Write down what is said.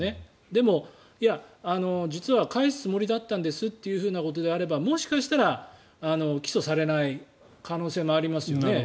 でも、実は返すつもりだったんですということであればもしかしたら、起訴されない可能性もありますよね。